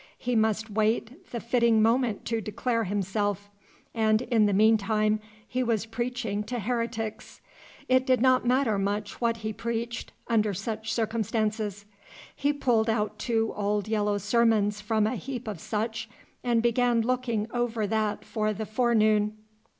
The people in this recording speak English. He must wait the fitting moment to declare himself; and in the mean time he was preaching to heretics. It did not matter much what he preached, under such circumstances. He pulled out two old yellow sermons from a heap of such, and began looking over that for the forenoon.